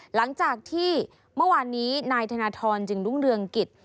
หลังจากที่เมื่อวานนี้นายธนทรจึงรุ่งเรืองกิจ